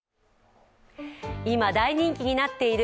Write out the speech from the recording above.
今大人気になっている